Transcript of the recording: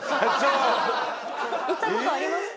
行ったことありますか？